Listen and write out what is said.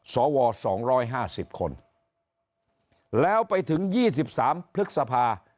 สวสองร้อยห้าสิบคนแล้วไปถึงยี่สิบสามพฤษภา